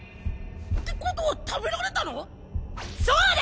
ってことは食べられたの⁉そうだ！